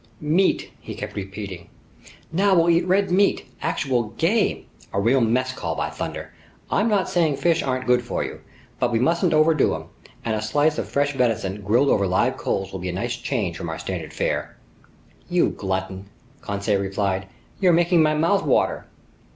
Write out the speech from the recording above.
"Meat!" he kept repeating. "Now we'll eat red meat! Actual game! A real mess call, by thunder! I'm not saying fish aren't good for you, but we mustn't overdo 'em, and a slice of fresh venison grilled over live coals will be a nice change from our standard fare." "You glutton," Conseil replied, "you're making my mouth water!"